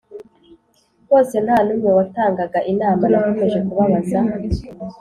Bose nta n umwe watangaga inama nakomeje kubabaza